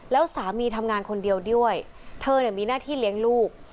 แล้วสามีทำงานคนเดียวด้วยเธอมีหน้าที่เลี้ยงลูก